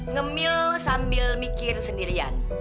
ngemil sambil mikir sendirian